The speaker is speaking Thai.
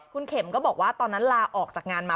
คุณเข็มก็บอกว่าตอนนั้นลาออกจากงานมา